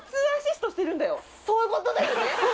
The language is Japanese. そういうことですね。